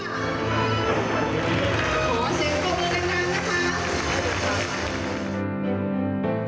ขอเสียงประโยชน์ดังนั้นนะคะ